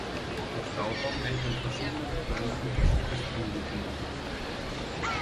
Der Stauraum wird in verschiedenen Quellen unterschiedlich angegeben.